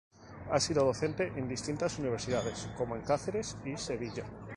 Ha sido docente en distintas universidades como en Cáceres, y Sevilla.